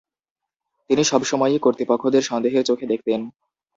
তিনি সব সময়ই কর্তৃপক্ষদের সন্দেহের চোখে দেখতেন।